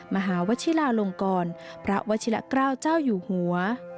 มหาวชิลาลงกรพระวชิละเกล้าเจ้าอยู่หัว